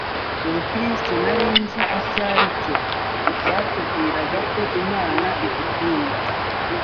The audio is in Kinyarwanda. ubukristo nari nzi icyo ari cyo, batubwiraga ko Imana idukunda